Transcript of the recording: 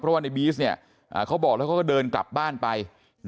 เพราะว่าในบี๊สเขาบอกแล้วก็เดินกลับบ้านไป